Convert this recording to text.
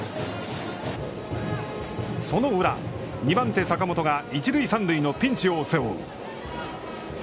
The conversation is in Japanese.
その裏、２番手坂本が一塁、三塁のピンチを背負う。